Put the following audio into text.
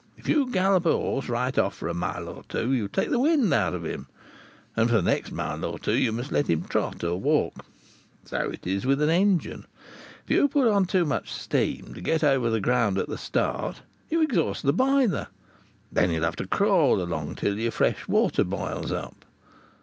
If you gallop a horse right off for a mile or two, you take the wind out of him, and for the next mile or two you must let him trot or walk. So it is with a engine. If you put on too much steam, to get over the ground at the start, you exhaust the boiler, and then you'll have to crawl along till your fresh water boils up.